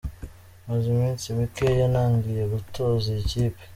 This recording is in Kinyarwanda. Maze iminsi mikeya ntangiye gutoza iyi kipe.